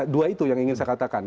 dua itu yang ingin saya katakan